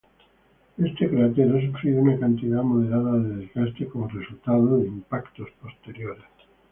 Este cráter ha sufrido una cantidad moderada de desgaste como resultado de impactos posteriores.